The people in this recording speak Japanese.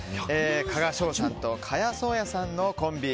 加賀翔さんと賀屋壮也さんのコンビ。